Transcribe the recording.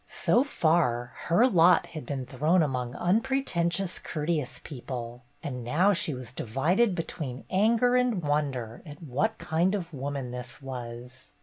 So far her lot had been thrown among unpretentious, courteous people, and now she was divided between anger and wonder at what kind of woman this was.